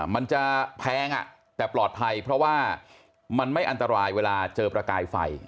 มันจะแพงแต่ปลอดภัยเพราะว่ามันไม่อันตรายเวลาเจอประกายไฟ